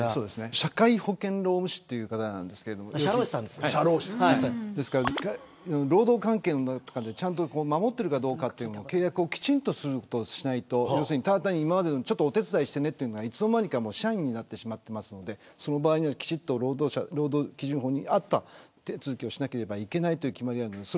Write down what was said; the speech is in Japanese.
社会保険労務士という方なんですけど労働関係とかで守っているかどうか契約をきちんとしないとお手伝いしてねというのがいつの間にか社員になってしまっていますのできちんと労働基準法に合った手続きをしなければいけない決まりがあります。